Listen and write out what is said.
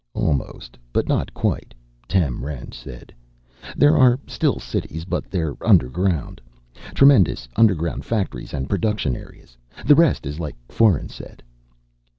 "Almost but not quite," Tem Rend said. "There are still cities, but they're underground. Tremendous underground factories and production areas. The rest is like Foeren said."